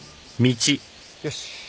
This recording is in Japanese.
よし。